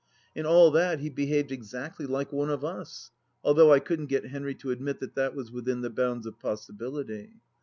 In all that he behaved exactly like one of us, although I couldn't get Henry to admit that that was within the bounds of possi bility.